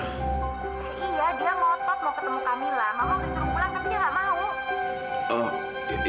tapi aku gak mau